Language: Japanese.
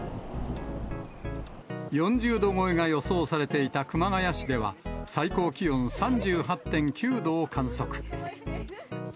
４０度超えが予想されていた熊谷市では、最高気温３８．９度を観測。